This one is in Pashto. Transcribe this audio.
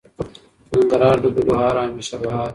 ننګرهار د ګلو هار او همیشه بهار.